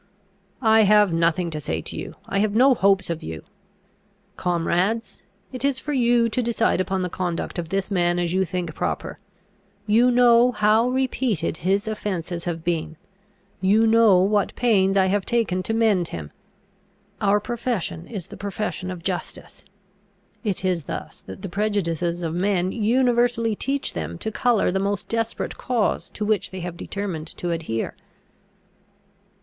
"I have nothing to say to you; I have no hopes of you! Comrades, it is for you to decide upon the conduct of this man as you think proper. You know how repeated his offences have been; you know what pains I have taken to mend him. Our profession is the profession of justice." [It is thus that the prejudices of men universally teach them to colour the most desperate cause to which they have determined to adhere.